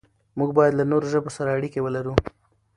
موږ بايد له نورو ژبو سره اړيکې ولرو.